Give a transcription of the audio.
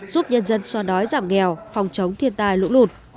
giúp nhân dân soa đói giảm nghèo phòng chống thiên tài lũ lụt